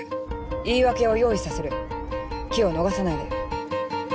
言い訳を用意させる機を逃さないで。